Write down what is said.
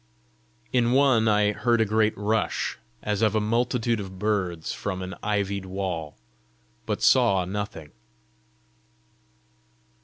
In one I heard a great rush, as of a multitude of birds from an ivied wall, but saw nothing.